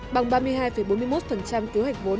bằng ba mươi hai bốn mươi một kế hoạch vốn